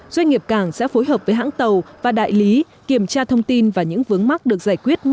doanh nghiệp cảng sẽ phối hợp với hãng tàu và đại lý kiểm tra thông tin và những vướng mắt được giải quyết